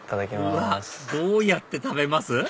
うわっどうやって食べます？